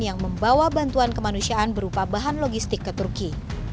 yang membawa bantuan kemanusiaan berupa bahan logistik ke turki